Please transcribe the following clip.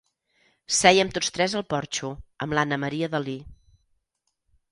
Seiem tots tres al porxo, amb l'Anna Maria Dalí.